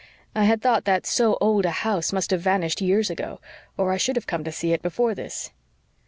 I had thought that so old a house must have vanished years ago, or I should have come to see it before this."